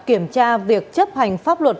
kiểm tra việc chấp hành pháp luật